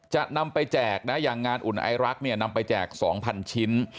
จะนำไปแจกนะอย่างงานอุ่นไอรักเนี่ยนำไปแจก๒๐๐ชิ้น